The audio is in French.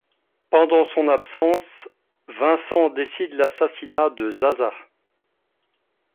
Pendant son absence, Vincent décide l'assassinat de Zasa.